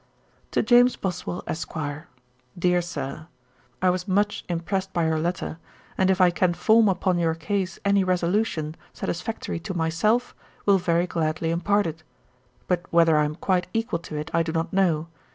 'To James Boswell, Esq. 'Dear Sir, 'I was much impressed by your letter, and if I can form upon your case any resolution satisfactory to myself, will very gladly impart it: but whether I am quite equal to it, I do not know.